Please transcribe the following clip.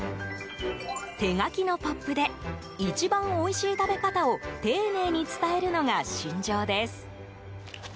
手書きのポップで一番おいしい食べ方を丁寧に伝えるのが信条です。